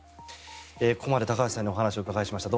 ここまで高橋さんにお話をお伺いしました。